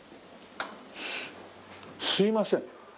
すいません。